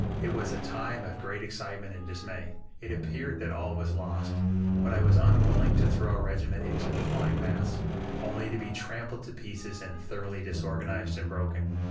"It was a time of great excitement and dismay it appeared that all was lost; but I was unwilling to throw our regiment into the flying mass, only to be trampled to pieces and thoroughly disorganized and broken.